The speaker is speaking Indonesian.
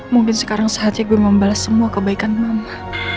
mungkin sekarang saatnya gue membalas semua kebaikan mama